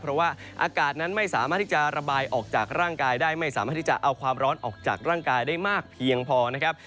เพราะว่าอากาศนั้นไม่สามารถที่จะระบายออกจากร่างกายได้ไม่สามารถที่จะเอาความร้อนออกจากร่างกายได้มากเพียงพอนะครับ